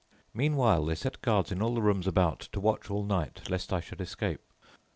"Meanwhile, they set guards in all the rooms about to watch all night, lest I should escape.